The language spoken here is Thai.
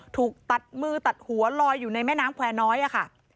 ถูกตัดมือตัดหัวลอยอยู่ในแม่น้ำแควร์น้อยอะค่ะ